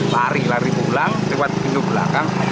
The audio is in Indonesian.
lari lari pulang lewat pintu belakang